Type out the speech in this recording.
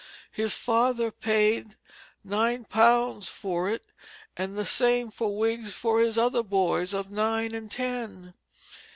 His father paid nine pounds for it, and the same for wigs for his other boys of nine and ten.